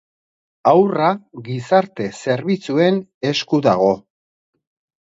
Haurra gizarte zerbitzuen esku dago.